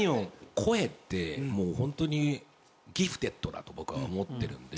声ってもう本当にギフテッドだと僕は思ってるんで。